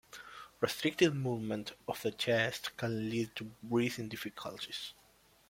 Restricted movement of the chest can lead to breathing difficulties.